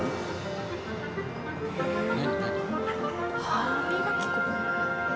歯磨き粉？